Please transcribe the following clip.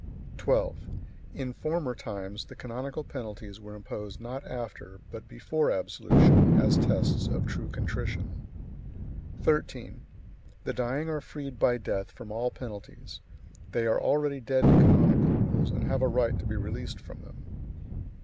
12. In former times the canonical penalties were imposed not after, but before absolution, as tests of true contrition. 13. The dying are freed by death from all penalties; they are already dead to canonical rules, and have a right to be released from them.